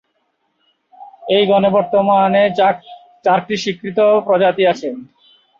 এই গণে বর্তমানে চারটি স্বীকৃত প্রজাতি আছে।